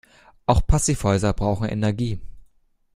Auch Passivhäuser brauchen Energie.